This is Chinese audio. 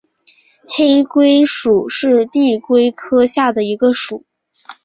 黑龟属是地龟科下的一个属。